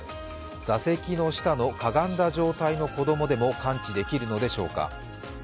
座席の下のかがんだ状態の子どもでも感知できるのでしょうか。